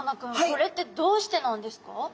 これってどうしてなんですか？